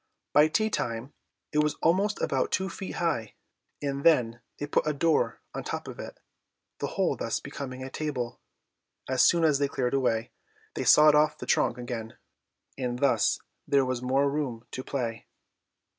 By tea time it was always about two feet high, and then they put a door on top of it, the whole thus becoming a table; as soon as they cleared away, they sawed off the trunk again, and thus there was more room to play.